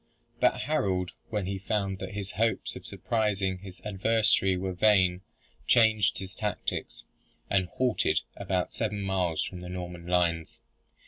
But Harold, when he found that his hopes of surprising his adversary were vain changed his tactics, and halted about seven miles from the Norman lines.